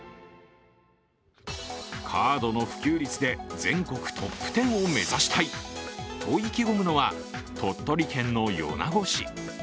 カードの普及率で全国トップ１０を目指したいと意気込むのは、鳥取県の米子市。